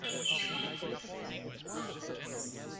This can be done explicitly with the use of theta functions.